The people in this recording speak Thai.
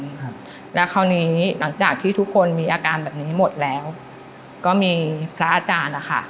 ครับแล้วคราวนี้หลังจากที่ทุกคนมีอาการแบบนี้หมดแล้วก็มีพระอาจารย์นะคะ